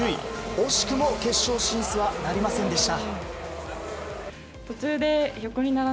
惜しくも決勝進出はなりませんでした。